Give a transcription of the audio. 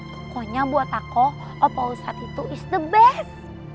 pokoknya buat aku opa ustad itu is the best